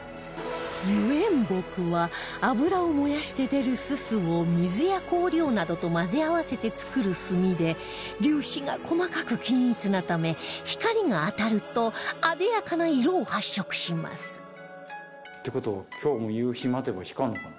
油煙墨は油を燃やして出る煤を水や香料などと混ぜ合わせて作る墨で粒子が細かく均一なため光が当たると艶やかな色を発色しますって事は今日も夕陽待てば光るのかな？